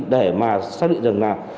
để mà xác định rằng là